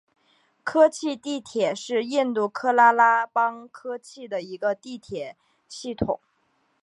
科契地铁是印度喀拉拉邦科契的一个地铁系统。